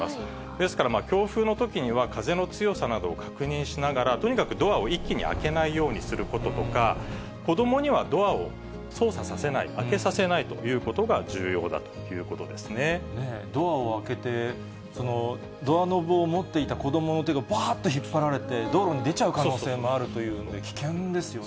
ですから、強風のときには風の強さなどを確認しながら、とにかくドアを一気に開けないようにすることとか、子どもにはドアを操作させない、開けさせないということが重要だドアを開けて、このドアノブを持っていた子どもの手がばーっと引っ張られて、道路に出ちゃう可能性もあるということで、危険ですよね。